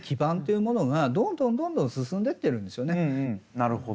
なるほど。